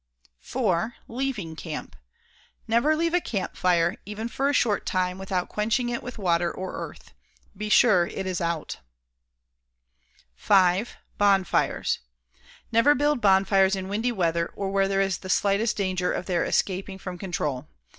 4. Leaving camp. Never leave a campfire, even for a short time, without quenching it with water or earth. Be sure it is OUT. 5. Bonfires. Never build bonfires in windy weather or where there is the slightest danger of their escaping from control.